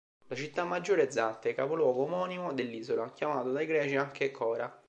La città maggiore è Zante, capoluogo omonimo dell'isola, chiamato dai greci anche "Chora".